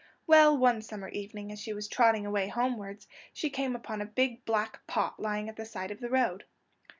Well, one summer evening as she was trotting away homewards, she came upon a big black pot lying at the side of the road.